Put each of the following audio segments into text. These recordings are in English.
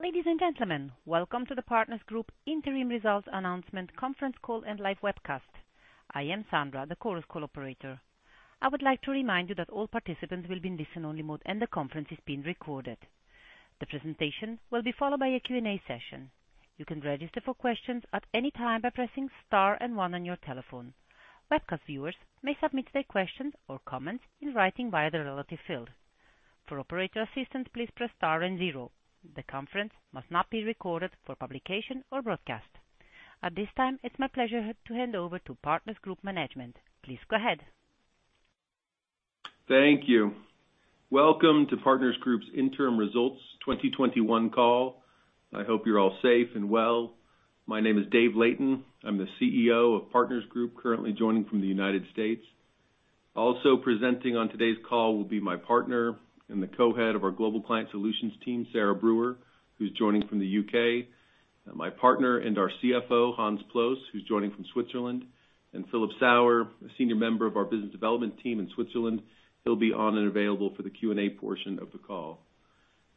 Ladies and gentlemen, welcome to the Partners Group Interim Results Announcement Conference Call and live webcast. I am Sandra, the Chorus Call operator. I would like to remind you that all participants will be in listen-only mode and the conference is being recorded. The presentation will be followed by a Q&A session. You can register for questions at any time by pressing star and one on your telephone. Webcast viewers may submit their questions or comments in writing via the relative field. For operator assistance, please press star and zero. The conference must not be recorded for publication or broadcast. At this time, it's my pleasure to hand over to Partners Group management. Please go ahead. Thank you. Welcome to Partners Group's Interim Results 2021 call. I hope you're all safe and well. My name is Dave Layton. I'm the CEO of Partners Group, currently joining from the United States. Also presenting on today's call will be my partner and the Co-Head of our Global Client Solutions, Sarah Brewer, who's joining from the U.K., my partner and our CFO, Hans Ploos, who's joining from Switzerland, and Philip Sauer, a senior member of our business development team in Switzerland, who'll be on and available for the Q&A portion of the call.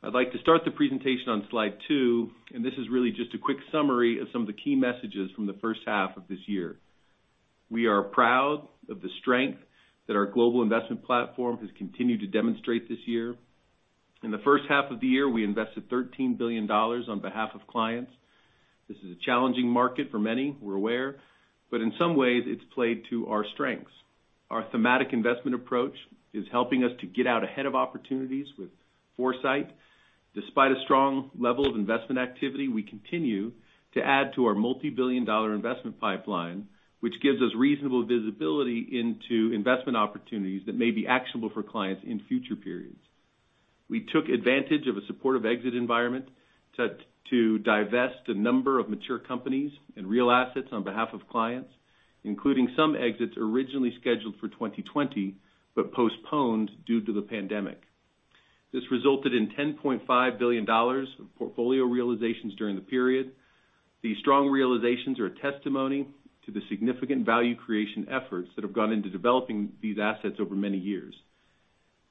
I'd like to start the presentation on slide two, this is really just a quick summary of some of the key messages from the first half of this year. We are proud of the strength that our global investment platform has continued to demonstrate this year. In the first half of the year, we invested $13 billion on behalf of clients. This is a challenging market for many, we're aware, but in some ways, it's played to our strengths. Our thematic investment approach is helping us to get out ahead of opportunities with foresight. Despite a strong level of investment activity, we continue to add to our multibillion-dollar investment pipeline, which gives us reasonable visibility into investment opportunities that may be actionable for clients in future periods. We took advantage of a supportive exit environment to divest a number of mature companies and real assets on behalf of clients, including some exits originally scheduled for 2020, but postponed due to the pandemic. This resulted in $10.5 billion of portfolio realizations during the period. These strong realizations are a testimony to the significant value creation efforts that have gone into developing these assets over many years.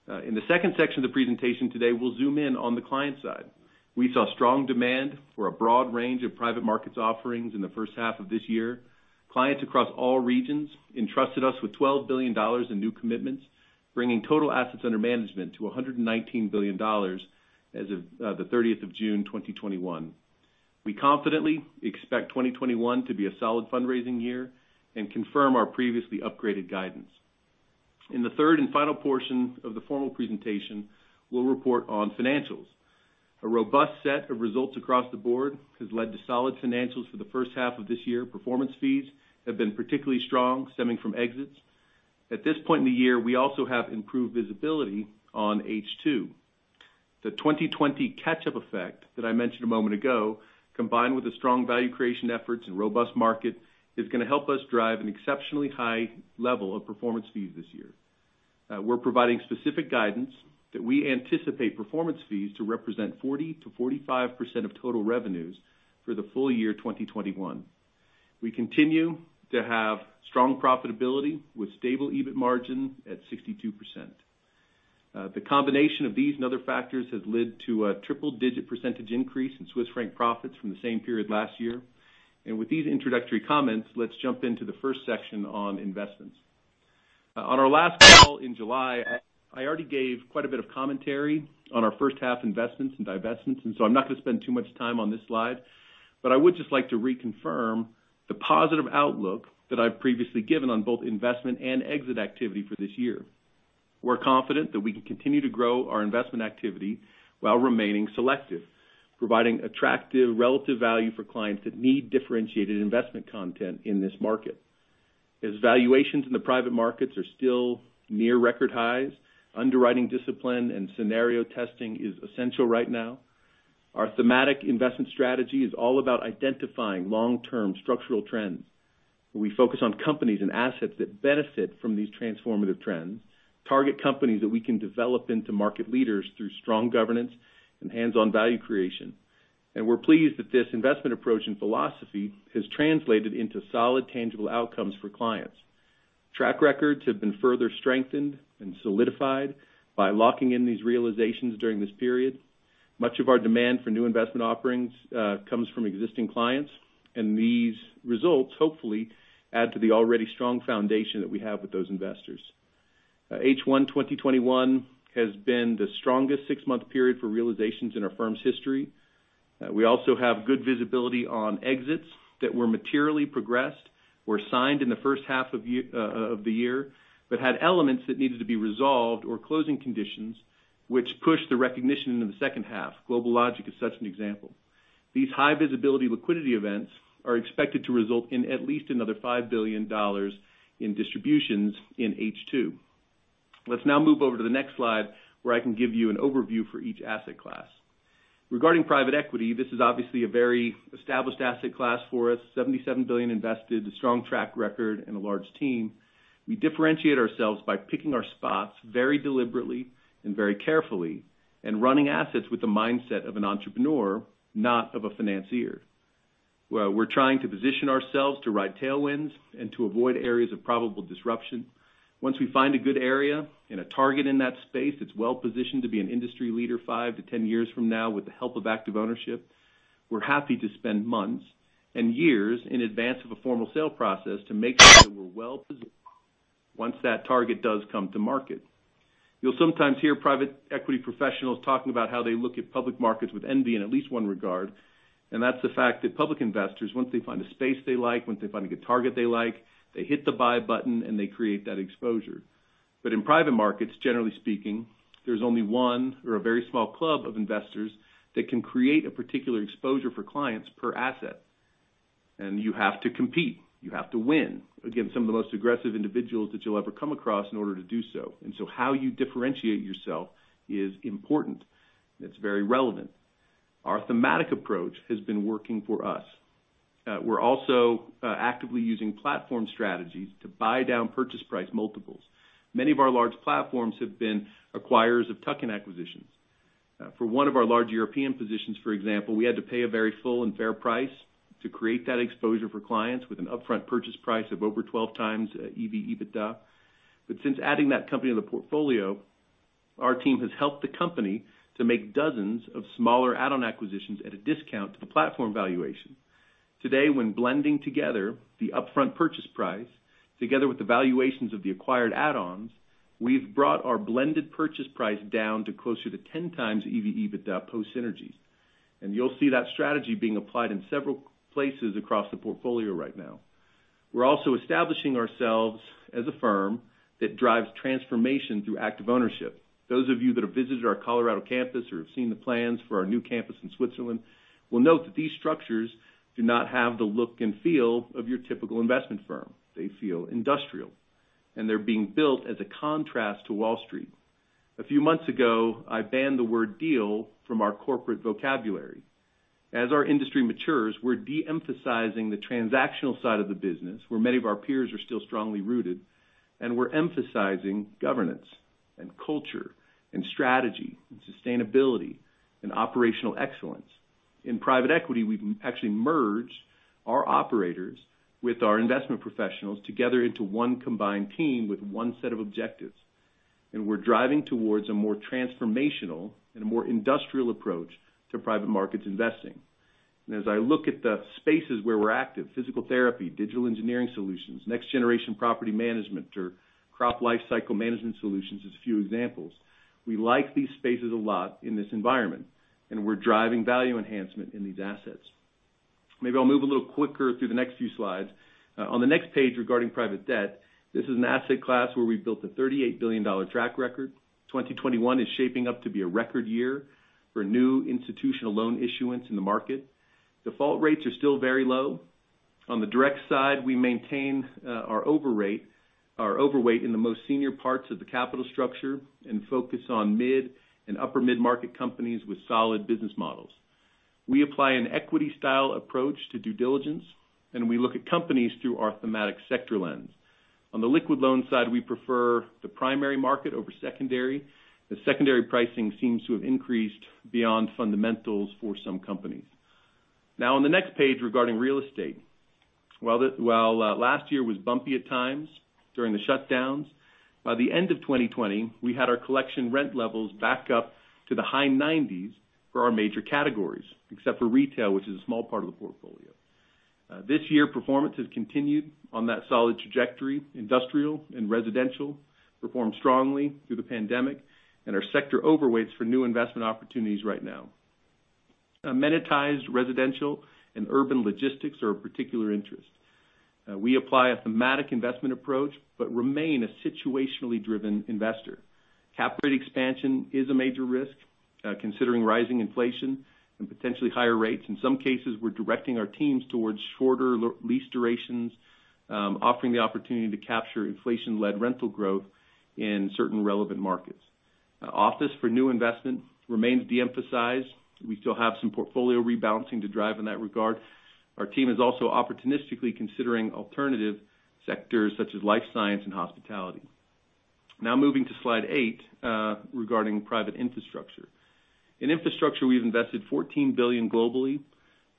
In the second section of the presentation today, we'll zoom in on the client side. Clients across all regions entrusted us with CHF 12 billion in new commitments, bringing total assets under management to CHF 119 billion as of the 30th of June, 2021. We confidently expect 2021 to be a solid fundraising year and confirm our previously upgraded guidance. In the third and final portion of the formal presentation, we'll report on financials. A robust set of results across the board has led to solid financials for the first half of this year. Performance fees have been particularly strong, stemming from exits. At this point in the year, we also have improved visibility on H2. The 2020 catch-up effect that I mentioned a moment ago, combined with the strong value creation efforts and robust market, is going to help us drive an exceptionally high level of performance fees this year. We're providing specific guidance that we anticipate performance fees to represent 40%-45% of total revenues for the full year 2021. We continue to have strong profitability with stable EBIT margin at 62%. The combination of these and other factors has led to a triple-digit percentage increase in Swiss franc profits from the same period last year. With these introductory comments, let's jump into the first section on investments. On our last call in July, I already gave quite a bit of commentary on our first half investments and divestments. I'm not going to spend too much time on this slide, but I would just like to reconfirm the positive outlook that I've previously given on both investment and exit activity for this year. We're confident that we can continue to grow our investment activity while remaining selective, providing attractive relative value for clients that need differentiated investment content in this market. As valuations in the private markets are still near record highs, underwriting discipline and scenario testing is essential right now. Our thematic investment strategy is all about identifying long-term structural trends, where we focus on companies and assets that benefit from these transformative trends, target companies that we can develop into market leaders through strong governance and hands-on value creation. We're pleased that this investment approach and philosophy has translated into solid, tangible outcomes for clients. Track records have been further strengthened and solidified by locking in these realizations during this period. Much of our demand for new investment offerings comes from existing clients, and these results hopefully add to the already strong foundation that we have with those investors. H1 2021 has been the strongest six-month period for realizations in our firm's history. We also have good visibility on exits that were materially progressed, were signed in the first half of the year, but had elements that needed to be resolved or closing conditions, which pushed the recognition into the second half. GlobalLogic is such an example. These high visibility liquidity events are expected to result in at least another $5 billion in distributions in H2. Let's now move over to the next slide, where I can give you an overview for each asset class. Regarding private equity, this is obviously a very established asset class for us, CHF 77 billion invested, a strong track record, and a large team. We differentiate ourselves by picking our spots very deliberately and very carefully and running assets with the mindset of an entrepreneur, not of a financier. Well, we're trying to position ourselves to ride tailwinds and to avoid areas of probable disruption. Once we find a good area and a target in that space that's well-positioned to be an industry leader 5-10 years from now with the help of active ownership, we're happy to spend months and years in advance of a formal sale process to make sure that we're well-positioned once that target does come to market. You'll sometimes hear private equity professionals talking about how they look at public markets with envy in at least one regard. That's the fact that public investors, once they find a space they like, once they find a good target they like, they hit the buy button and they create that exposure. In private markets, generally speaking, there's only one or a very small club of investors that can create a particular exposure for clients per asset. You have to compete, you have to win against some of the most aggressive individuals that you'll ever come across in order to do so. How you differentiate yourself is important. It's very relevant. Our thematic approach has been working for us. We're also actively using platform strategies to buy down purchase price multiples. Many of our large platforms have been acquirers of tuck-in acquisitions. For one of our large European positions, for example, we had to pay a very full and fair price to create that exposure for clients with an upfront purchase price of over 12x EBITDA. Since adding that company to the portfolio, our team has helped the company to make dozens of smaller add-on acquisitions at a discount to the platform valuation. Today, when blending together the upfront purchase price together with the valuations of the acquired add-ons, we've brought our blended purchase price down to closer to 10x EV/EBITDA post synergies. You'll see that strategy being applied in several places across the portfolio right now. We're also establishing ourselves as a firm that drives transformation through active ownership. Those of you that have visited our Colorado campus or have seen the plans for our new campus in Switzerland will note that these structures do not have the look and feel of your typical investment firm. They feel industrial, they're being built as a contrast to Wall Street. A few months ago, I banned the word deal from our corporate vocabulary. As our industry matures, we're de-emphasizing the transactional side of the business, where many of our peers are still strongly rooted, and we're emphasizing governance and culture and strategy and sustainability and operational excellence. In private equity, we've actually merged our operators with our investment professionals together into one combined team with one set of objectives. We're driving towards a more transformational and a more industrial approach to private markets investing. As I look at the spaces where we're active, physical therapy, digital engineering solutions, next-generation property management, or crop life cycle management solutions as a few examples. We like these spaces a lot in this environment, and we're driving value enhancement in these assets. Maybe I'll move a little quicker through the next few slides. On the next page regarding private debt, this is an asset class where we've built a CHF 38 billion track record. 2021 is shaping up to be a record year for new institutional loan issuance in the market. Default rates are still very low. On the direct side, we maintain our overweight in the most senior parts of the capital structure and focus on mid and upper mid-market companies with solid business models. We apply an equity style approach to due diligence, and we look at companies through our thematic sector lens. On the liquid loan side, we prefer the primary market over secondary, as secondary pricing seems to have increased beyond fundamentals for some companies. On the next page regarding real estate. While last year was bumpy at times during the shutdowns, by the end of 2020, we had our collection rent levels back up to the high 90s for our major categories, except for retail, which is a small part of the portfolio. This year, performance has continued on that solid trajectory. Industrial and residential performed strongly through the pandemic and are sector overweights for new investment opportunities right now. Amenitized residential and urban logistics are of particular interest. We apply a thematic investment approach but remain a situationally driven investor. Cap rate expansion is a major risk, considering rising inflation and potentially higher rates. In some cases, we're directing our teams towards shorter lease durations, offering the opportunity to capture inflation-led rental growth in certain relevant markets. Office for new investment remains de-emphasized. We still have some portfolio rebalancing to drive in that regard. Our team is also opportunistically considering alternative sectors such as life science and hospitality. Now moving to slide eight, regarding private infrastructure. In infrastructure, we've invested $14 billion globally.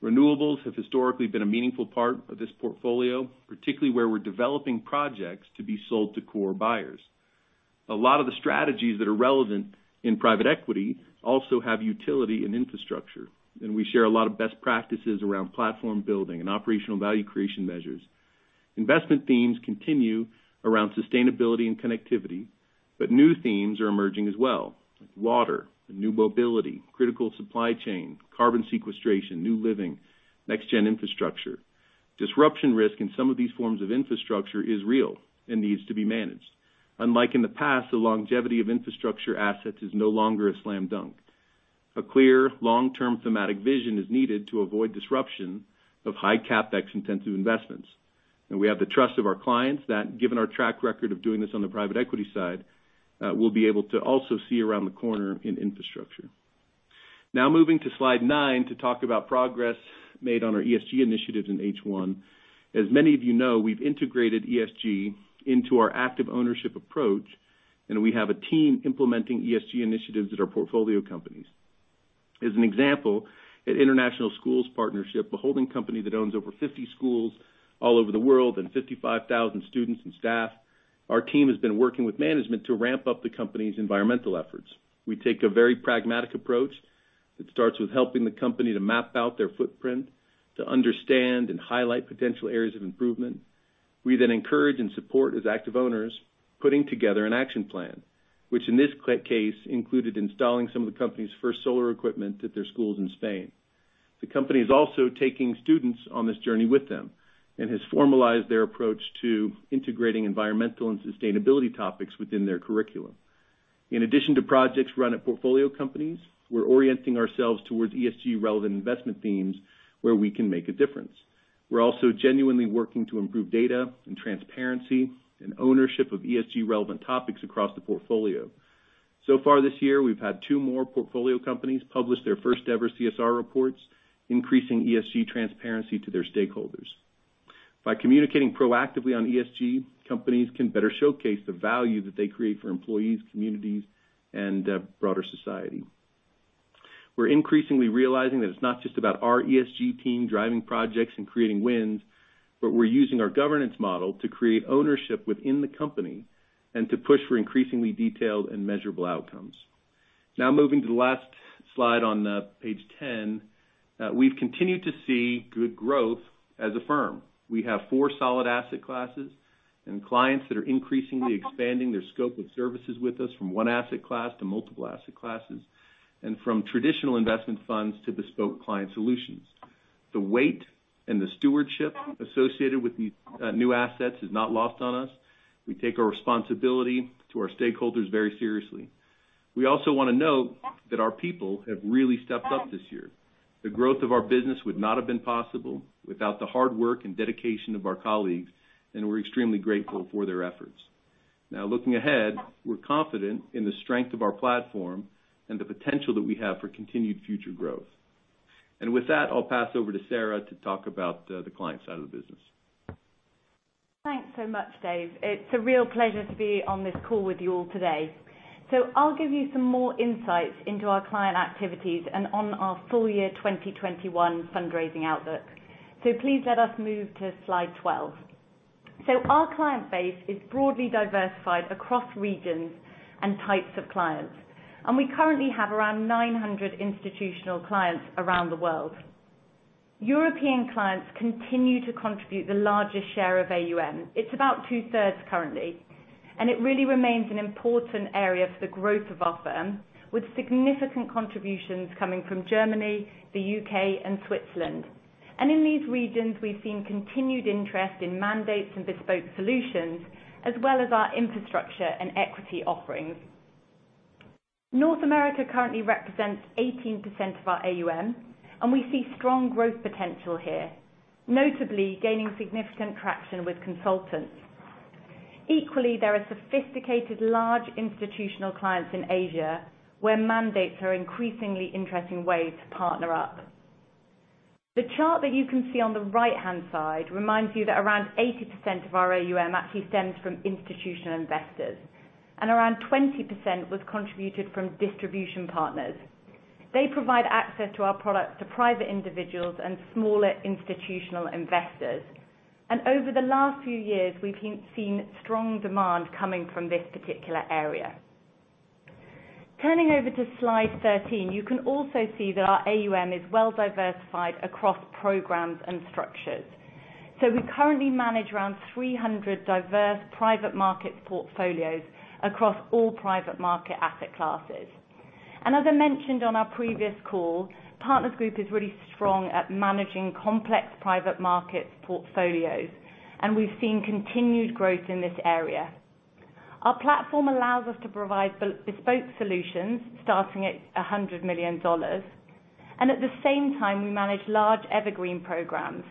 Renewables have historically been a meaningful part of this portfolio, particularly where we're developing projects to be sold to core buyers. A lot of the strategies that are relevant in private equity also have utility in infrastructure, and we share a lot of best practices around platform building and operational value creation measures. Investment themes continue around sustainability and connectivity, but new themes are emerging as well, like water, new mobility, critical supply chain, carbon sequestration, new living, next gen infrastructure. Disruption risk in some of these forms of infrastructure is real and needs to be managed. Unlike in the past, the longevity of infrastructure assets is no longer a slam dunk. A clear long-term thematic vision is needed to avoid disruption of high CapEx intensive investments. We have the trust of our clients that given our track record of doing this on the private equity side, we'll be able to also see around the corner in infrastructure. Now moving to slide nine to talk about progress made on our ESG initiatives in H1. As many of you know, we've integrated ESG into our active ownership approach. We have a team implementing ESG initiatives at our portfolio companies. As an example, at International Schools Partnership, the holding company that owns over 50 schools all over the world and 55,000 students and staff, our team has been working with management to ramp up the company's environmental efforts. We take a very pragmatic approach that starts with helping the company to map out their footprint, to understand and highlight potential areas of improvement. We then encourage and support as active owners, putting together an action plan, which in this case, included installing some of the company's first solar equipment at their schools in Spain. The company is also taking students on this journey with them and has formalized their approach to integrating environmental and sustainability topics within their curriculum. In addition to projects run at portfolio companies, we're orienting ourselves towards ESG-relevant investment themes where we can make a difference. We're also genuinely working to improve data and transparency and ownership of ESG-relevant topics across the portfolio. Far this year, we've had two more portfolio companies publish their first ever CSR reports, increasing ESG transparency to their stakeholders. By communicating proactively on ESG, companies can better showcase the value that they create for employees, communities, and broader society. We're increasingly realizing that it's not just about our ESG team driving projects and creating wins, but we're using our governance model to create ownership within the company and to push for increasingly detailed and measurable outcomes. Moving to the last slide on page 10, we've continued to see good growth as a firm. We have four solid asset classes and clients that are increasingly expanding their scope of services with us from one asset class to multiple asset classes, and from traditional investment funds to bespoke client solutions. The weight and the stewardship associated with these new assets is not lost on us. We take our responsibility to our stakeholders very seriously. We also want to note that our people have really stepped up this year. The growth of our business would not have been possible without the hard work and dedication of our colleagues, and we're extremely grateful for their efforts. Now looking ahead, we're confident in the strength of our platform and the potential that we have for continued future growth. With that, I'll pass over to Sarah to talk about the client side of the business. Thanks so much, Dave. It's a real pleasure to be on this call with you all today. I'll give you some more insights into our client activities and on our full year 2021 fundraising outlook. Please let us move to slide 12. Our client base is broadly diversified across regions and types of clients, and we currently have around 900 institutional clients around the world. European clients continue to contribute the largest share of AUM. It's about 2/3 currently, and it really remains an important area for the growth of our firm, with significant contributions coming from Germany, the U.K. and Switzerland. In these regions, we've seen continued interest in mandates and bespoke solutions, as well as our infrastructure and equity offerings. North America currently represents 18% of our AUM, and we see strong growth potential here, notably gaining significant traction with consultants. Equally, there are sophisticated, large institutional clients in Asia, where mandates are increasingly interesting ways to partner up. The chart that you can see on the right-hand side reminds you that around 80% of our AUM actually stems from institutional investors, and around 20% was contributed from distribution partners. They provide access to our products to private individuals and smaller institutional investors. Over the last few years, we've seen strong demand coming from this particular area. Turning over to slide 13, you can also see that our AUM is well diversified across programs and structures. We currently manage around 300 diverse private market portfolios across all private market asset classes. As I mentioned on our previous call, Partners Group is really strong at managing complex private markets portfolios, and we've seen continued growth in this area. Our platform allows us to provide bespoke solutions starting at CHF 100 million. At the same time, we manage large evergreen programs.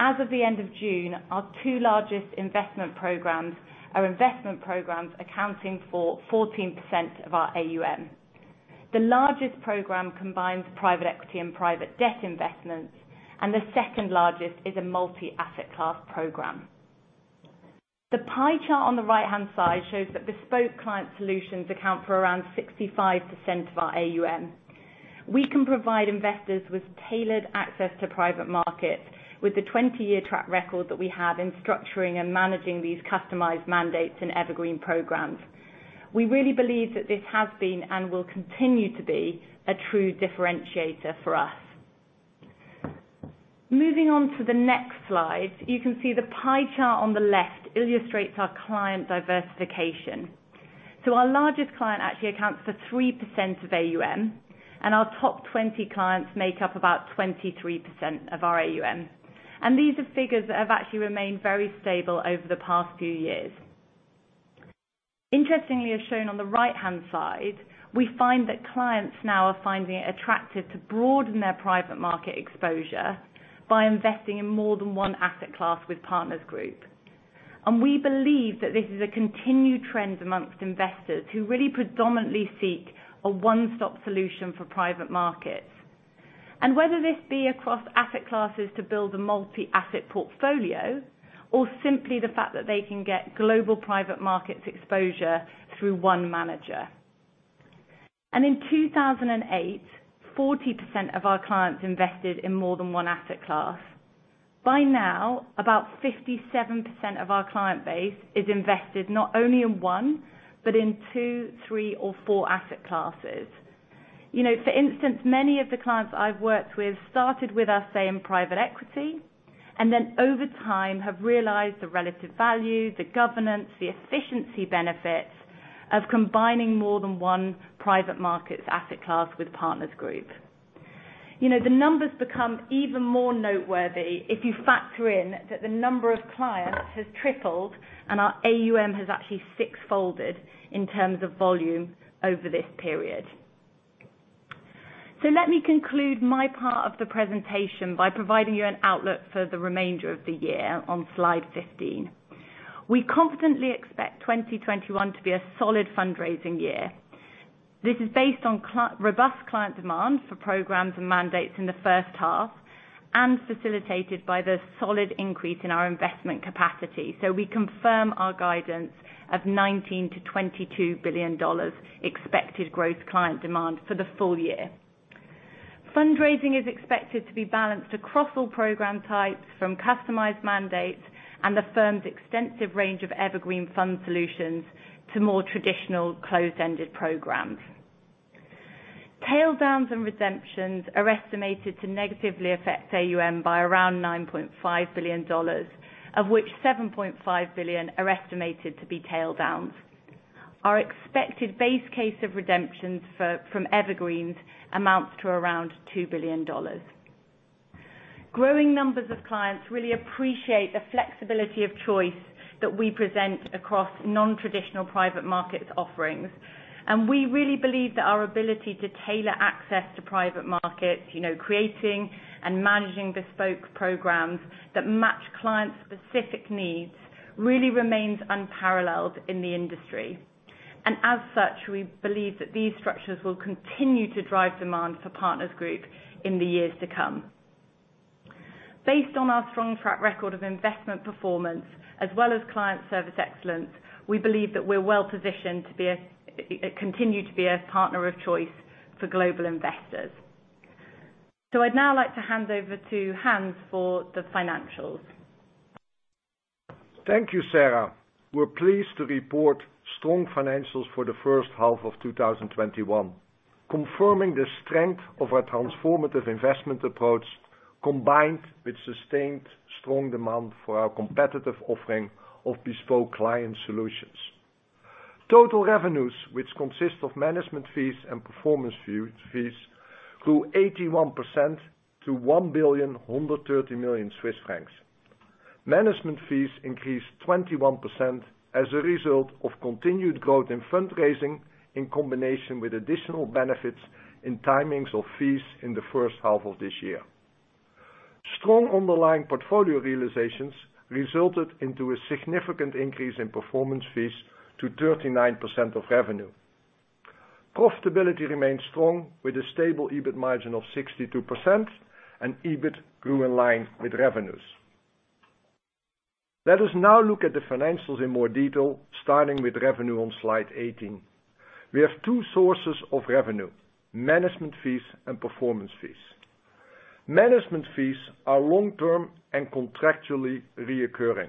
As of the end of June, our two largest investment programs are investment programs accounting for 14% of our AUM. The largest program combines private equity and private debt investments, and the second largest is a multi-asset class program. The pie chart on the right-hand side shows that bespoke client solutions account for around 65% of our AUM. We can provide investors with tailored access to private markets with the 20-year track record that we have in structuring and managing these customized mandates and evergreen programs. We really believe that this has been and will continue to be a true differentiator for us. Moving on to the next slide. You can see the pie chart on the left illustrates our client diversification. Our largest client actually accounts for 3% of AUM, and our top 20 clients make up about 23% of our AUM. These are figures that have actually remained very stable over the past few years. Interestingly, as shown on the right-hand side, we find that clients now are finding it attractive to broaden their private markets exposure by investing in more than one asset class with Partners Group. We believe that this is a continued trend amongst investors who really predominantly seek a one-stop solution for private markets. Whether this be across asset classes to build a multi-asset portfolio, or simply the fact that they can get global private markets exposure through one manager. In 2008, 40% of our clients invested in more than one asset class. By now, about 57% of our client base is invested not only in one, but in two, three, or four asset classes. For instance, many of the clients I've worked with started with us, say, in private equity, and then over time have realized the relative value, the governance, the efficiency benefits of combining more than one private markets asset class with Partners Group. The numbers become even more noteworthy if you factor in that the number of clients has tripled and our AUM has actually six-folded in terms of volume over this period. Let me conclude my part of the presentation by providing you an outlook for the remainder of the year on slide 15. We confidently expect 2021 to be a solid fundraising year. This is based on robust client demand for programs and mandates in the first half, facilitated by the solid increase in our investment capacity. We confirm our guidance of CHF 19 billion-CHF 22 billion expected gross client demand for the full year. Fundraising is expected to be balanced across all program types, from customized mandates and the firm's extensive range of evergreen fund solutions, to more traditional closed-ended programs. Tail downs and redemptions are estimated to negatively affect AUM by around CHF 9.5 billion, of which 7.5 billion are estimated to be tail downs. Our expected base case of redemptions from evergreens amounts to around CHF 2 billion. Growing numbers of clients really appreciate the flexibility of choice that we present across non-traditional private markets offerings, we really believe that our ability to tailor access to private markets, creating and managing bespoke programs that match clients' specific needs, really remains unparalleled in the industry. As such, we believe that these structures will continue to drive demand for Partners Group in the years to come. Based on our strong track record of investment performance as well as client service excellence, we believe that we're well-positioned to continue to be a partner of choice for global investors. I'd now like to hand over to Hans for the financials. Thank you, Sarah. We're pleased to report strong financials for the first half of 2021, confirming the strength of our transformative investment approach, combined with sustained strong demand for our competitive offering of bespoke client solutions. Total revenues, which consist of management fees and performance fees, grew 81% to CHF 1 billion, 130 million. Management fees increased 21% as a result of continued growth in fundraising in combination with additional benefits in timings of fees in the first half of this year. Strong underlying portfolio realizations resulted into a significant increase in performance fees to 39% of revenue. Profitability remains strong with a stable EBIT margin of 62%, and EBIT grew in line with revenues. Let us now look at the financials in more detail, starting with revenue on slide 18. We have two sources of revenue: management fees and performance fees. Management fees are long-term and contractually reoccurring.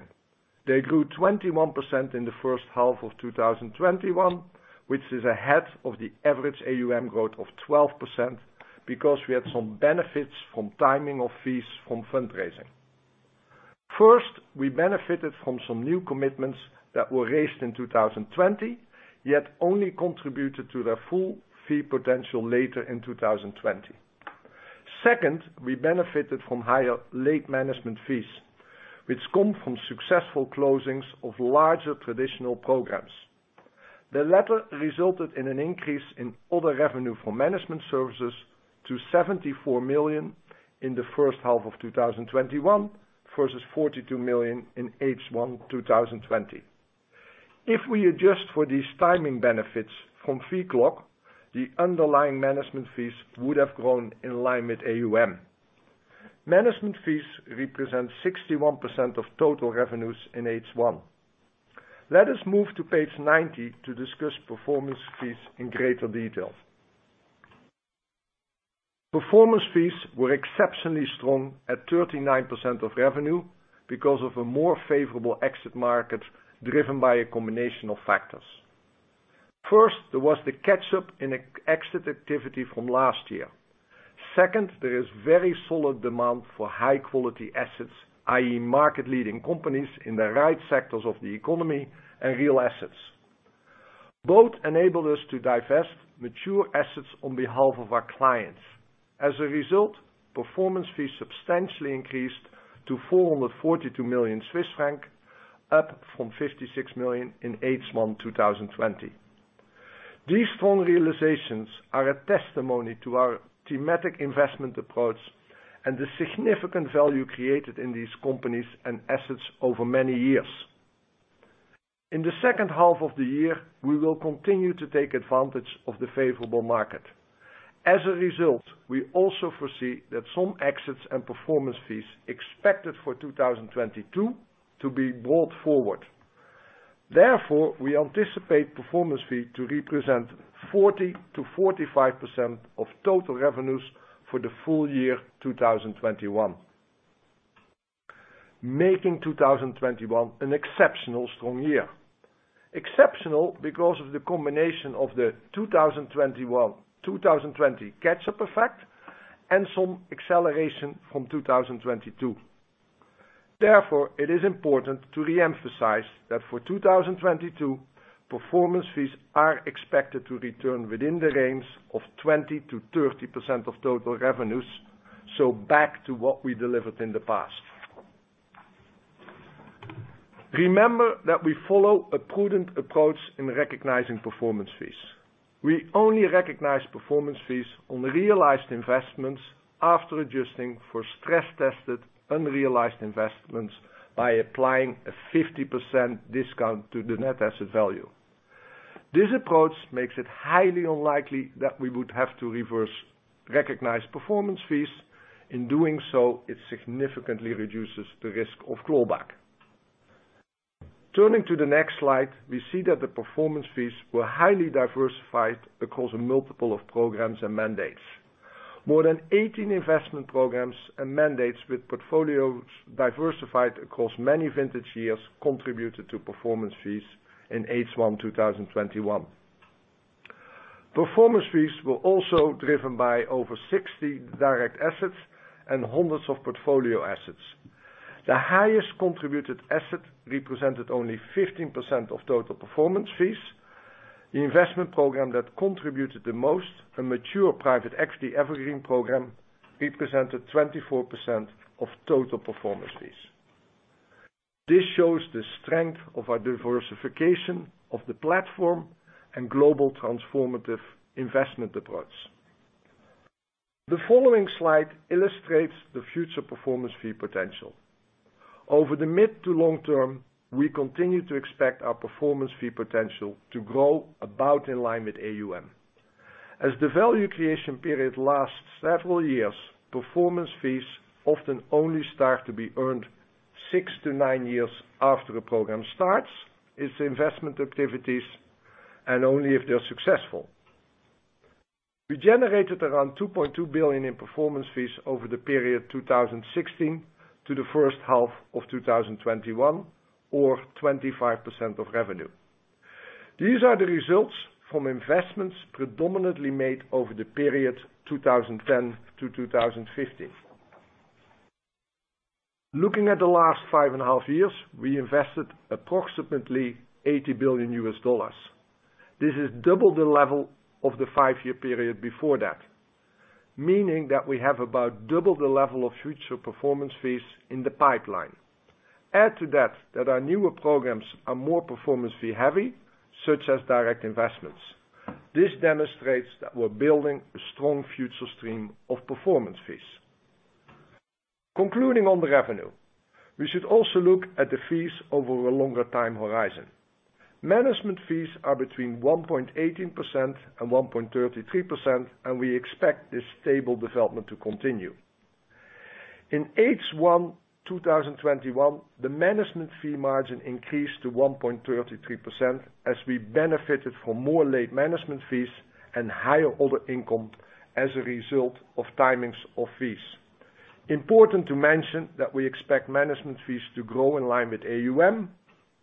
They grew 21% in the first half of 2021, which is ahead of the average AUM growth of 12% because we had some benefits from timing of fees from fundraising. First, we benefited from some new commitments that were raised in 2020, yet only contributed to their full fee potential later in 2020. Second, we benefited from higher late management fees, which come from successful closings of larger traditional programs. The latter resulted in an increase in other revenue for management services to 74 million in the first half of 2021 versus 42 million in H1 2020. If we adjust for these timing benefits from fee clock, the underlying management fees would have grown in line with AUM. Management fees represent 61% of total revenues in H1. Let us move to page 90 to discuss performance fees in greater detail. Performance fees were exceptionally strong at 39% of revenue because of a more favorable exit market driven by a combination of factors. First, there was the catch-up in exit activity from last year. Second, there is very solid demand for high-quality assets, i.e. market-leading companies in the right sectors of the economy and real assets. Both enabled us to divest mature assets on behalf of our clients. As a result, performance fees substantially increased to 442 million Swiss franc, up from 56 million in H1 2020. These strong realizations are a testimony to our thematic investment approach and the significant value created in these companies and assets over many years. In the second half of the year, we will continue to take advantage of the favorable market. We also foresee that some exits and performance fees expected for 2022 to be brought forward. Therefore, we anticipate performance fees to represent 40%-45% of total revenues for the full year 2021. Making 2021 an exceptional strong year. Exceptional because of the combination of the 2021/2020 catch-up effect and some acceleration from 2022. Therefore, it is important to re-emphasize that for 2022, performance fees are expected to return within the range of 20%-30% of total revenues, so back to what we delivered in the past. Remember that we follow a prudent approach in recognizing performance fees. We only recognize performance fees on realized investments after adjusting for stress-tested unrealized investments by applying a 50% discount to the net asset value. This approach makes it highly unlikely that we would have to reverse recognized performance fees. In doing so, it significantly reduces the risk of clawback. Turning to the next slide, we see that the performance fees were highly diversified across a multiple of programs and mandates. More than 18 investment programs and mandates with portfolios diversified across many vintage years contributed to performance fees in H1 2021. Performance fees were also driven by over 60 direct assets and hundreds of portfolio assets. The highest contributed asset represented only 15% of total performance fees. The investment program that contributed the most, a mature private equity evergreen program, represented 24% of total performance fees. This shows the strength of our diversification of the platform and global transformative investment approach. The following slide illustrates the future performance fee potential. Over the mid to long term, we continue to expect our performance fee potential to grow about in line with AUM. As the value creation period lasts several years, performance fees often only start to be earned six to nine years after a program starts its investment activities, and only if they're successful. We generated around 2.2 billion in performance fees over the period 2016 to the first half of 2021, or 25% of revenue. These are the results from investments predominantly made over the period 2010 to 2015. Looking at the last five and a half years, we invested approximately $80 billion. This is double the level of the five-year period before that, meaning that we have about double the level of future performance fees in the pipeline. Add to that our newer programs are more performance fee heavy, such as direct investments. This demonstrates that we're building a strong future stream of performance fees. Concluding on the revenue, we should also look at the fees over a longer time horizon. Management fees are between 1.18% and 1.33%, and we expect this stable development to continue. In H1 2021, the management fee margin increased to 1.33% as we benefited from more late management fees and higher other income as a result of timings of fees. Important to mention that we expect management fees to grow in line with AUM.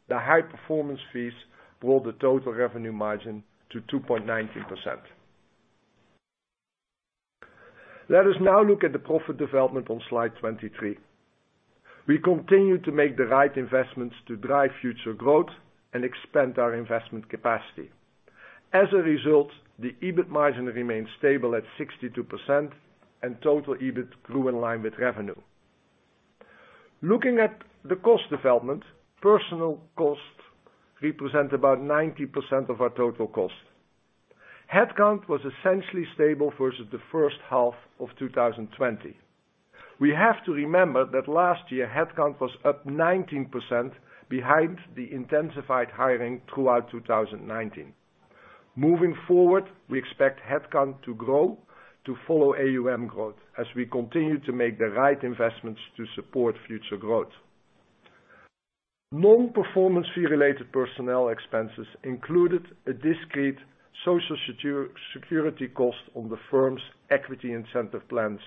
The high-performance fees grow the total revenue margin to 2.19%. Let us now look at the profit development on slide 23. We continue to make the right investments to drive future growth and expand our investment capacity. As a result, the EBIT margin remains stable at 62% and total EBIT grew in line with revenue. Looking at the cost development, personnel costs represent about 90% of our total cost. Headcount was essentially stable versus the first half of 2020. We have to remember that last year, headcount was up 19% behind the intensified hiring throughout 2019. Moving forward, we expect headcount to grow to follow AUM growth as we continue to make the right investments to support future growth. Non-performance fee related personnel expenses included a discrete Social Security cost on the firm's equity incentive plans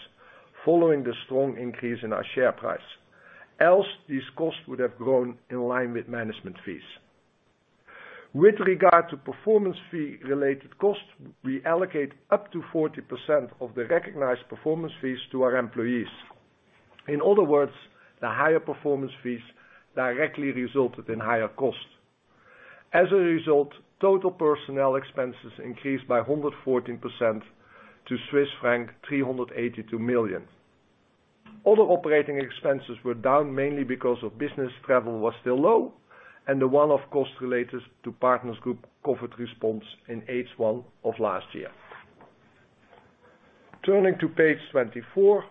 following the strong increase in our share price. Else, these costs would have grown in line with management fees. With regard to performance fee related costs, we allocate up to 40% of the recognized performance fees to our employees. In other words, the higher performance fees directly resulted in higher cost. As a result, total personnel expenses increased by 114% to Swiss franc 382 million. Other operating expenses were down, mainly because of business travel was still low, and the one-off cost related to Partners Group COVID response in H1 of last year. Turning to page 24,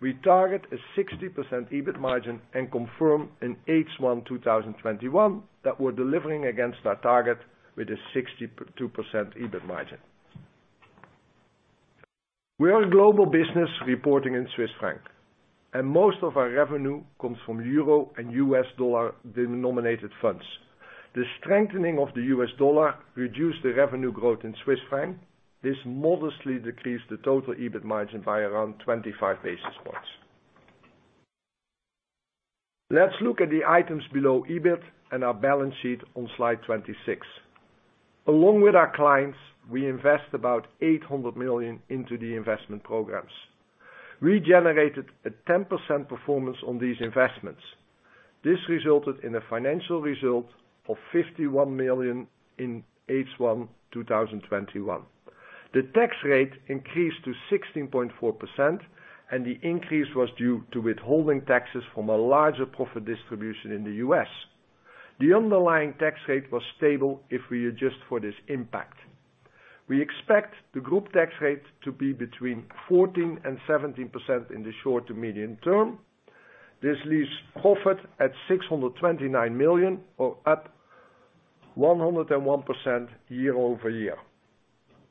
we target a 60% EBIT margin and confirm in H1 2021 that we're delivering against our target with a 62% EBIT margin. We are a global business reporting in Swiss franc, and most of our revenue comes from euro and U.S. dollar-denominated funds. The strengthening of the U.S. dollar reduced the revenue growth in Swiss franc. This modestly decreased the total EBIT margin by around 25 basis points. Let's look at the items below EBIT and our balance sheet on slide 26. Along with our clients, we invest about 800 million into the investment programs. We generated a 10% performance on these investments. This resulted in a financial result of 51 million in H1 2021. The tax rate increased to 16.4%. The increase was due to withholding taxes from a larger profit distribution in the U.S. The underlying tax rate was stable if we adjust for this impact. We expect the group tax rate to be between 14% and 17% in the short to medium term. This leaves profit at 629 million or up 101% year-over-year.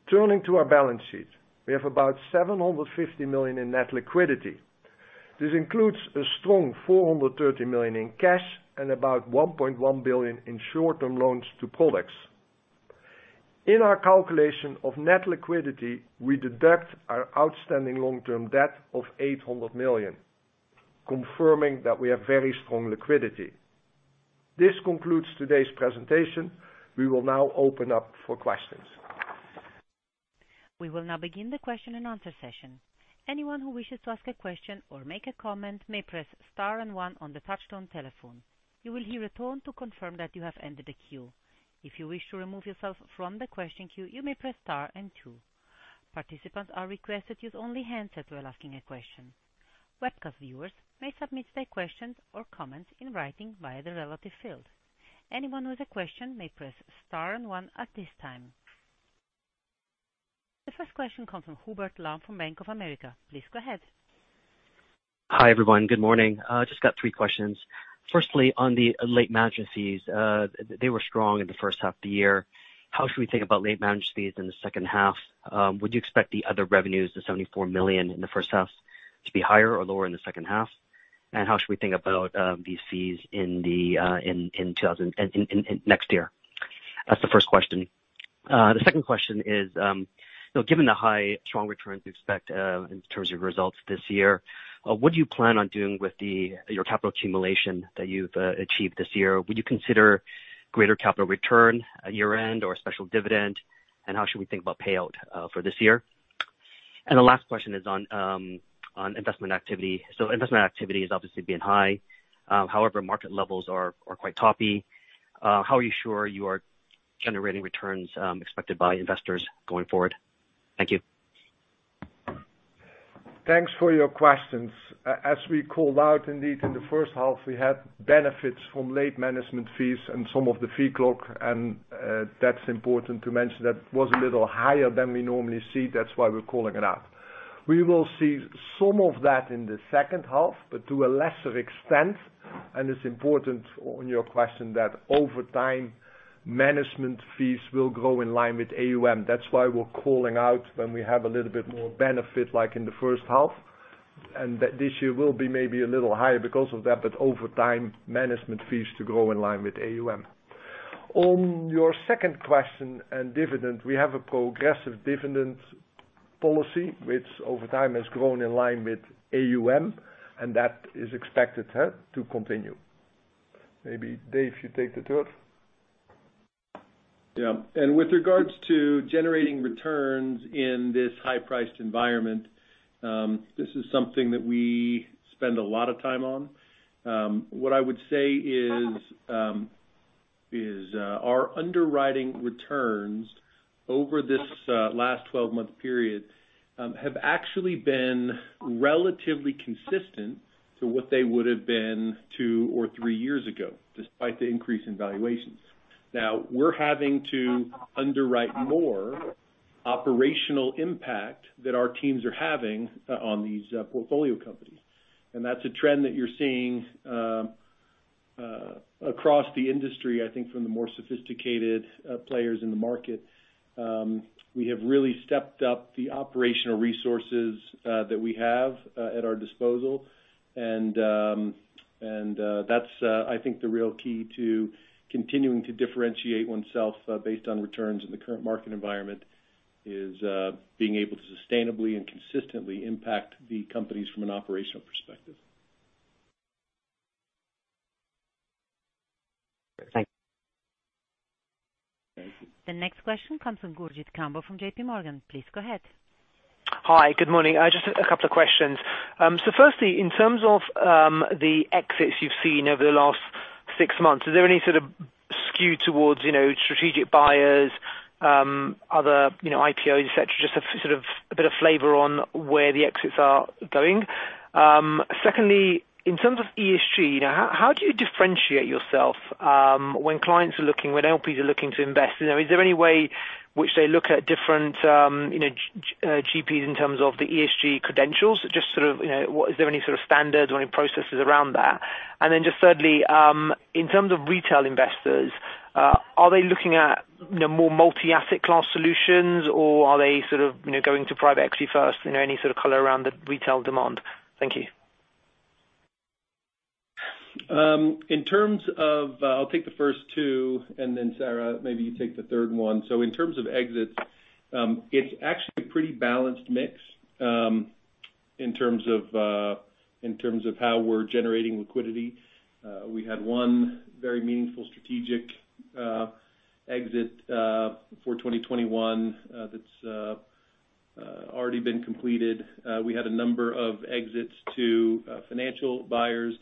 Turning to our balance sheet, we have about 750 million in net liquidity. This includes a strong 430 million in cash and about 1.1 billion in short-term loans to products. In our calculation of net liquidity, we deduct our outstanding long-term debt of 800 million, confirming that we have very strong liquidity. This concludes today's presentation. We will now open up for questions. We will now begin the question and answer session. Anyone who wishes to ask a question or make a comment may press star and one on the touchtone telephone. You will hear a tone to confirm that you have entered the queue. If you wish to remove yourself from the question queue, you may press star and two. Participants are requested to use only handsets while asking a question. Webcast viewers may submit their questions or comments in writing via the relevant field. Anyone with a question may press star and one at this time. The first question comes from Hubert Lam from Bank of America. Please go ahead. Hi, everyone. Good morning. Just got three questions. Firstly, on the late management fees, they were strong in the first half of the year. How should we think about late management fees in the second half? Would you expect the other revenues, the 74 million in the first half, to be higher or lower in the second half? How should we think about these fees next year? That's the first question. The second question is given the high, strong returns we expect in terms of results this year, what do you plan on doing with your capital accumulation that you've achieved this year? Would you consider greater capital return at year-end or a special dividend? How should we think about payout for this year? The last question is on investment activity. Investment activity has obviously been high. However, market levels are quite toppy. How are you sure you are generating returns expected by investors going forward? Thank you. Thanks for your questions. That's important to mention. That was a little higher than we normally see. That's why we're calling it out. We will see some of that in the second half, but to a lesser extent. It's important on your question that over time, management fees will grow in line with AUM. That's why we're calling out when we have a little bit more benefit, like in the first half. This year will be maybe a little higher because of that, but over time, management fees to grow in line with AUM. On your second question and dividend, we have a progressive dividend policy which over time has grown in line with AUM, and that is expected to continue. Maybe David, you take the third. Yeah. With regards to generating returns in this high-priced environment, this is something that we spend a lot of time on. What I would say is our underwriting returns over this last 12-month period have actually been relatively consistent to what they would have been two or three years ago, despite the increase in valuations. Now, we're having to underwrite more operational impact that our teams are having on these portfolio companies. That's a trend that you're seeing across the industry, I think from the more sophisticated players in the market. We have really stepped up the operational resources that we have at our disposal. That's I think the real key to continuing to differentiate oneself based on returns in the current market environment, is being able to sustainably and consistently impact the companies from an operational perspective. Thank you. The next question comes from Gurjit Kambo from JPMorgan. Please go ahead. Hi. Good morning. Just a couple of questions. Firstly, in terms of the exits you've seen over the last six months, is there any sort of skew towards strategic buyers, other IPOs, et cetera? Just a sort of a bit of flavor on where the exits are going. Secondly, in terms of ESG, how do you differentiate yourself when LPs are looking to invest? Is there any way which they look at different GPs in terms of the ESG credentials? Is there any sort of standards or any processes around that? Just thirdly, in terms of retail investors, are they looking at more multi-asset class solutions or are they going to private equity first? Any sort of color around the retail demand? Thank you. I'll take the first two, and then Sarah, maybe you take the third one. In terms of exits, it's actually a pretty balanced mix in terms of how we're generating liquidity. We had one very meaningful strategic exit for 2021 that's already been completed. We had a number of exits to financial buyers,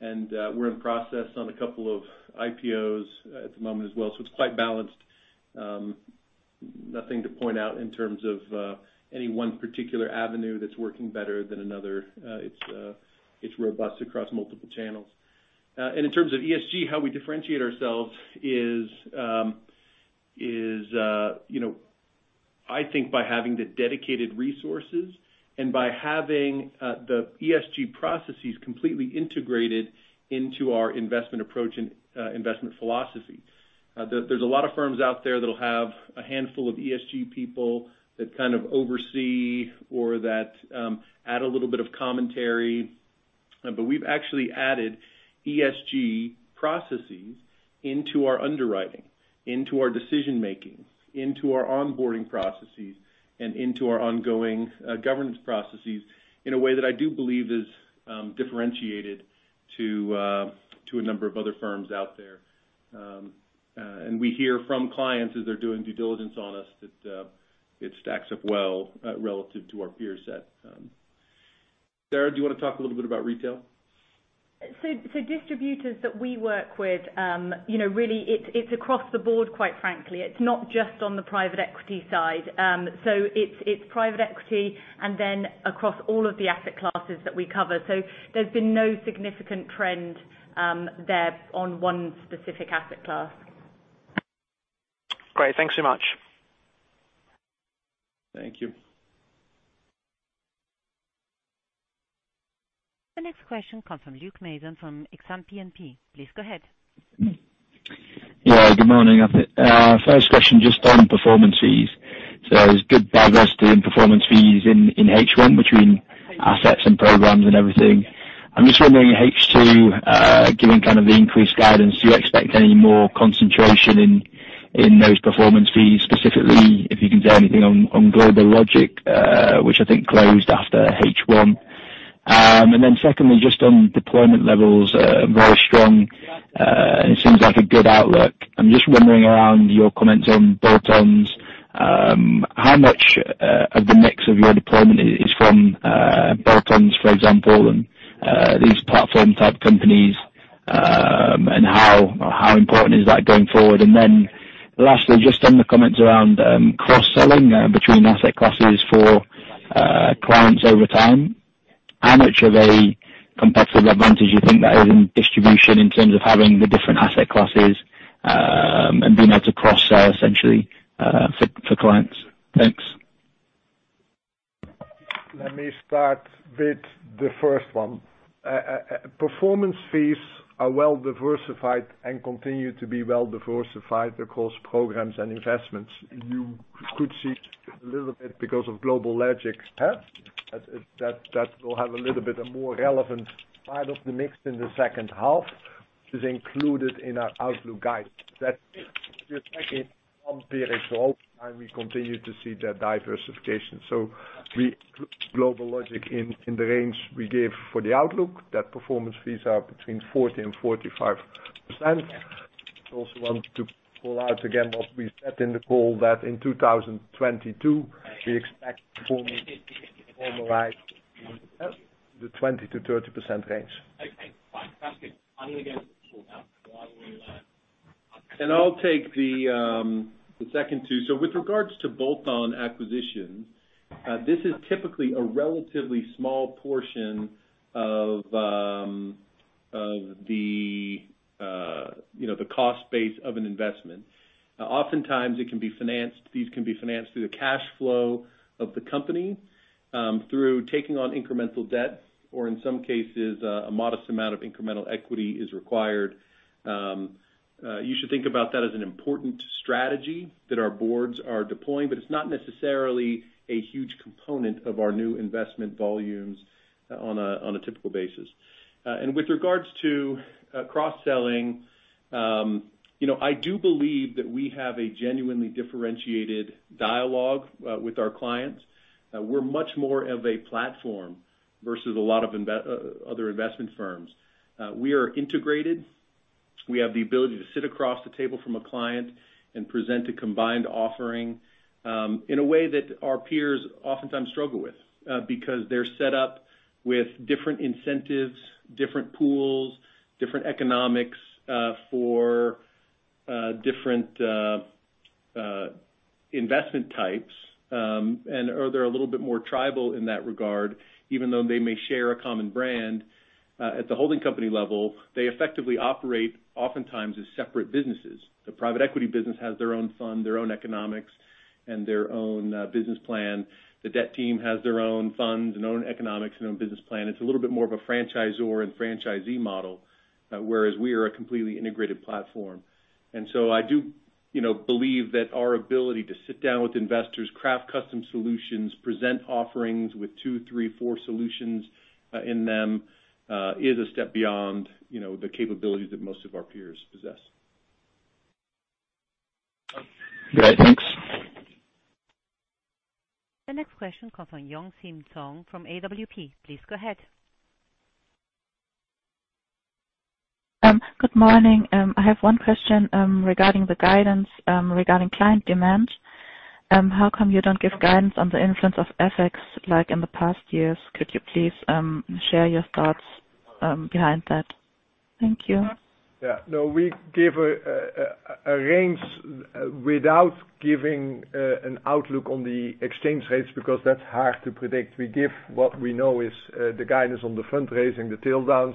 and we're in process on a couple of IPOs at the moment as well. It's quite balanced. Nothing to point out in terms of any one particular avenue that's working better than another. It's robust across multiple channels. In terms of ESG, how we differentiate ourselves is, I think by having the dedicated resources and by having the ESG processes completely integrated into our investment approach and investment philosophy. There's a lot of firms out there that'll have a handful of ESG people that kind of oversee or that add a little bit of commentary. We've actually added ESG processes into our underwriting, into our decision-making, into our onboarding processes, and into our ongoing governance processes in a way that I do believe is differentiated to a number of other firms out there. We hear from clients as they're doing due diligence on us that it stacks up well relative to our peer set. Sarah, do you want to talk a little bit about retail? Distributors that we work with, really it's across the board, quite frankly. It's not just on the private equity side. It's private equity and then across all of the asset classes that we cover. There's been no significant trend there on one specific asset class. Great. Thanks so much. Thank you. The next question comes from Luke Mazen from Exane BNP. Please go ahead. Yeah, good morning. First question, just on performance fees. There's good diversity in performance fees in H1 between assets and programs and everything. I'm just wondering, H2, given kind of the increased guidance, do you expect any more concentration in those performance fees, specifically, if you can say anything on GlobalLogic, which I think closed after H1. Secondly, just on deployment levels, very strong, and it seems like a good outlook. I'm just wondering around your comments on bolt-ons, how much of the mix of your deployment is from bolt-ons, for example, and these platform type companies, and how important is that going forward? Lastly, just on the comments around cross-selling between asset classes for clients over time, how much of a competitive advantage you think that is in distribution in terms of having the different asset classes, and being able to cross-sell essentially, for clients? Thanks. Let me start with the first one. Performance fees are well diversified and continue to be well diversified across programs and investments. You could see a little bit because of GlobalLogic, that will have a little bit a more relevant part of the mix in the second half. It is included in our outlook guidance. That said, I would expect it from here until the whole time, we continue to see that diversification. We include GlobalLogic in the range we give for the outlook, that performance fees are between 40%-45%. I also want to call out again what we said in the call that in 2022, we expect performance to normalize in the 20%-30% range. Okay. Fantastic. I'll take the second two. With regards to bolt-on acquisitions, this is typically a relatively small portion of the cost base of an investment. Oftentimes, these can be financed through the cash flow of the company, through taking on incremental debt, or in some cases, a modest amount of incremental equity is required. You should think about that as an important strategy that our boards are deploying, but it's not necessarily a huge component of our new investment volumes on a typical basis. With regards to cross-selling, I do believe that we have a genuinely differentiated dialogue with our clients. We're much more of a platform versus a lot of other investment firms. We are integrated. We have the ability to sit across the table from a client and present a combined offering, in a way that our peers oftentimes struggle with. Because they're set up with different incentives, different pools, different economics for different investment types, and are they a little bit more tribal in that regard, even though they may share a common brand at the holding company level, they effectively operate oftentimes as separate businesses. The private equity business has their own fund, their own economics, and their own business plan. The debt team has their own funds and own economics and own business plan. It's a little bit more of a franchisor and franchisee model, whereas we are a completely integrated platform. I do believe that our ability to sit down with investors, craft custom solutions, present offerings with two, three, four solutions in them, is a step beyond the capabilities that most of our peers possess. Great. Thanks. The next question comes from Yong Sim Tong from AWP. Please go ahead. Good morning. I have one question regarding the guidance regarding client demand. How come you don't give guidance on the influence of ESG like in the past years? Could you please share your thoughts behind that? Thank you. Yeah, no, we give a range without giving an outlook on the exchange rates because that's hard to predict. We give what we know is the guidance on the fundraising, the tail-end,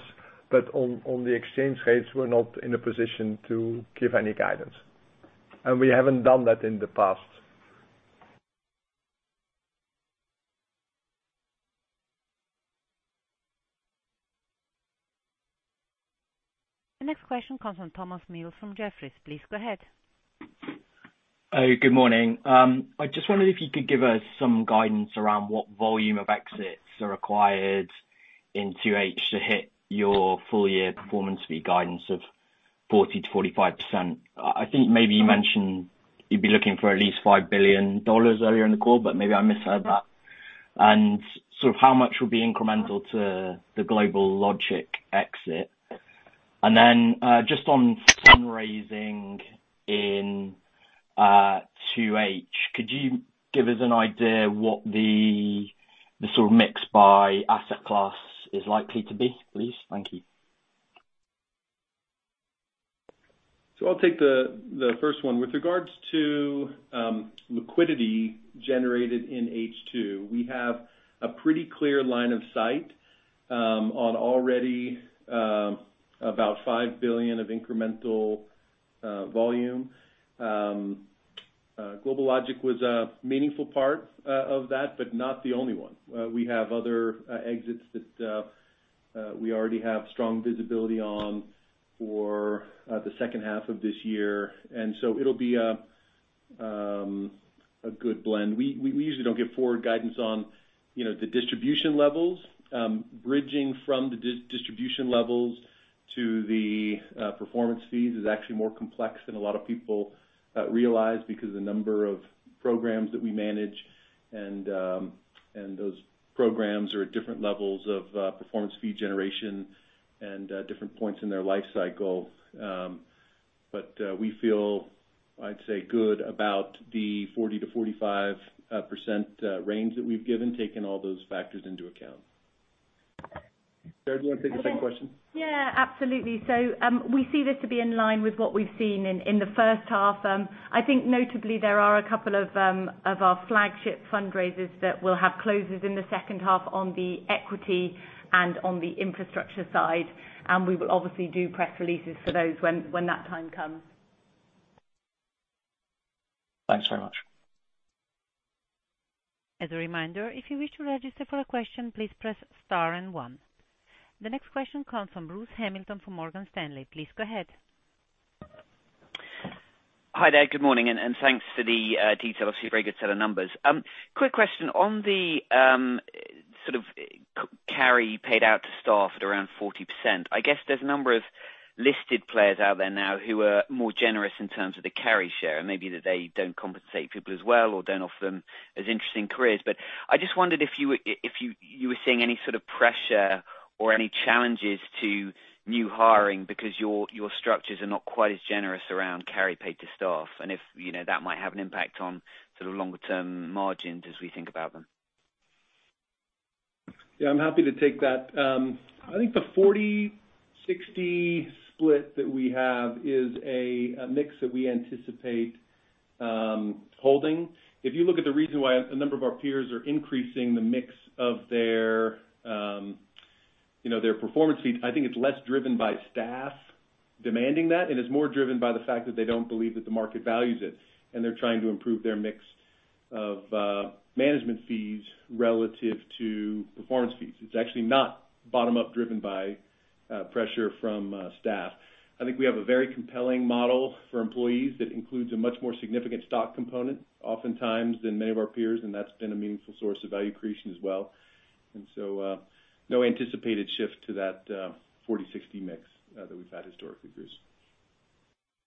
but on the exchange rates, we're not in a position to give any guidance. We haven't done that in the past. The next question comes from Thomas Mills from Jefferies. Please go ahead. Hey, good morning. I just wondered if you could give us some guidance around what volume of exits are required in H2 to hit your full-year performance fee guidance of 40%-45%. I think maybe you mentioned you'd be looking for at least CHF 5 billion earlier in the call, but maybe I misheard that. How much would be incremental to the GlobalLogic exit? Just on fundraising in H2, could you give us an idea what the mix by asset class is likely to be, please? Thank you. I'll take the first one. With regards to liquidity generated in H2, we have a pretty clear line of sight on already about $5 billion of incremental volume. GlobalLogic was a meaningful part of that, not the only one. We have other exits that we already have strong visibility on for the second half of this year. It'll be a good blend. We usually don't give forward guidance on the distribution levels. Bridging from the distribution levels to the performance fees is actually more complex than a lot of people realize because the number of programs that we manage and those programs are at different levels of performance fee generation and different points in their life cycle. We feel, I'd say, good about the 40%-45% range that we've given, taking all those factors into account. Sarah, do you want to take the second question? Yeah, absolutely. We see this to be in line with what we've seen in the first half. I think notably there are a couple of our flagship fundraisers that will have closes in the second half on the equity and on the infrastructure side, and we will obviously do press releases for those when that time comes. Thanks very much. As a reminder, if you wish to register for a question, please press star and one. The next question comes from Bruce Hamilton for Morgan Stanley. Please go ahead. Hi there. Good morning. Thanks for the detail. Obviously, very good set of numbers. Quick question. On the carry paid out to staff at around 40%, I guess there's a number of listed players out there now who are more generous in terms of the carry share. Maybe that they don't compensate people as well or don't offer them as interesting careers. I just wondered if you were seeing any sort of pressure or any challenges to new hiring because your structures are not quite as generous around carry paid to staff and if that might have an impact on longer term margins as we think about them. Yeah, I'm happy to take that. I think the 40-60 split that we have is a mix that we anticipate holding. If you look at the reason why a number of our peers are increasing the mix of their performance fees, I think it's less driven by staff demanding that, and it's more driven by the fact that they don't believe that the market values it, and they're trying to improve their mix of management fees relative to performance fees. It's actually not bottom-up driven by pressure from staff. I think we have a very compelling model for employees that includes a much more significant stock component oftentimes than many of our peers, and that's been a meaningful source of value creation as well. No anticipated shift to that 40-60 mix that we've had historically, Bruce.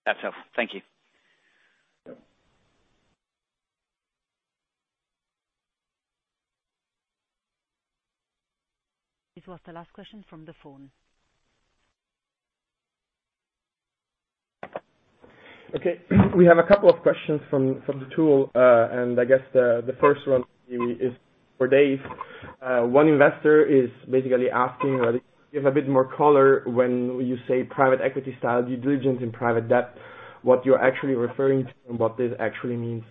That's helpful. Thank you. Yeah. This was the last question from the phone. Okay. We have a couple of questions from the tool. I guess the first one is for Dave. One investor is basically asking whether you can give a bit more color when you say private equity style due diligence in private debt, what you're actually referring to and what this actually means.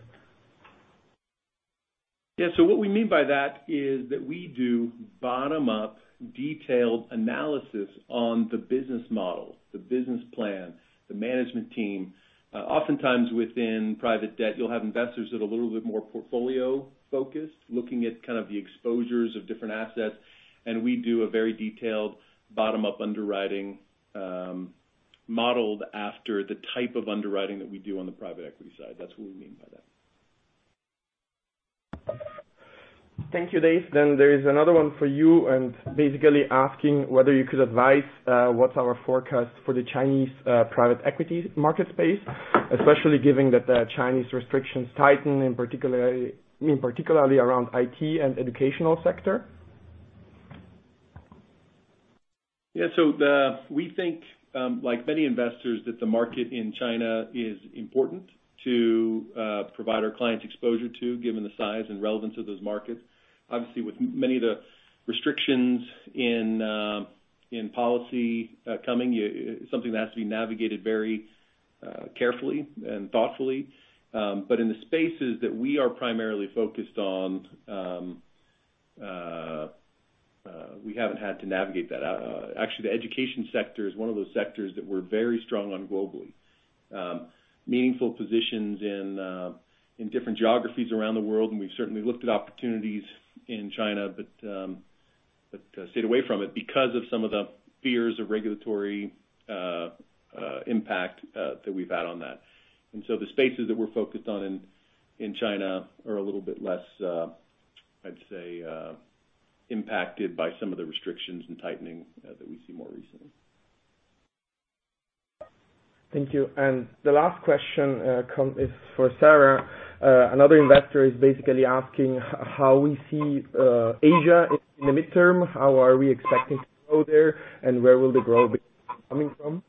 Yeah. What we mean by that is that we do bottom-up detailed analysis on the business model, the business plan, the management team. Oftentimes within private debt, you'll have investors that are a little bit more portfolio-focused, looking at the exposures of different assets. We do a very detailed bottom-up underwriting, modeled after the type of underwriting that we do on the private equity side. That's what we mean by that. Thank you, Dave. There is another one for you, and basically asking whether you could advise what's our forecast for the Chinese private equity market space, especially given that the Chinese restrictions tighten, and particularly around IT and educational sector. Yeah. We think, like many investors, that the market in China is important to provide our clients exposure to, given the size and relevance of those markets. Obviously, with many of the restrictions in policy coming, it's something that has to be navigated very carefully and thoughtfully. In the spaces that we are primarily focused on, we haven't had to navigate that. Actually, the education sector is one of those sectors that we're very strong on globally. Meaningful positions in different geographies around the world, we've certainly looked at opportunities in China, but stayed away from it because of some of the fears of regulatory impact that we've had on that. The spaces that we're focused on in China are a little bit less, I'd say, impacted by some of the restrictions and tightening that we see more recently. Thank you. The last question is for Sarah. Another investor is basically asking how we see Asia in the midterm. How are we expecting to grow there, and where will the growth be coming from?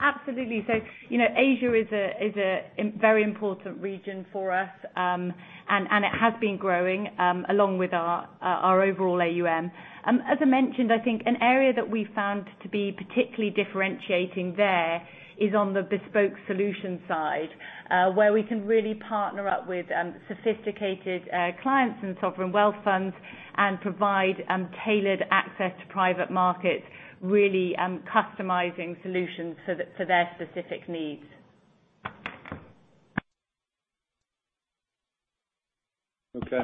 Absolutely. Asia is a very important region for us. It has been growing, along with our overall AUM. As I mentioned, I think an area that we found to be particularly differentiating there is on the bespoke solution side, where we can really partner up with sophisticated clients and sovereign wealth funds and provide tailored access to private markets, really customizing solutions for their specific needs. Okay.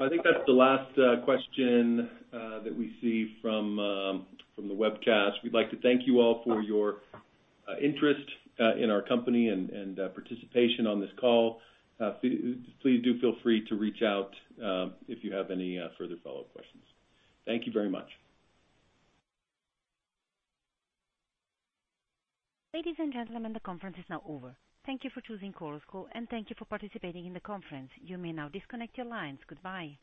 I think that's the last question that we see from the webcast. We'd like to thank you all for your interest in our company and participation on this call. Please do feel free to reach out if you have any further follow-up questions. Thank you very much. Ladies and gentlemen, the conference is now over. Thank you for choosing Chorus Call, and thank you for participating in the conference. You may now disconnect your lines. Goodbye.